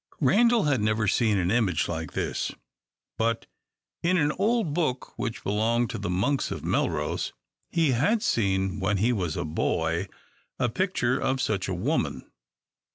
Randal had never seen an image like this; but in an old book, which belonged to the Monks of Melrose, he had seen, when he was a boy, a picture of such a woman.